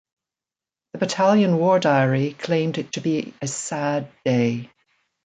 The Battalion War Diary claimed it to be A sad day.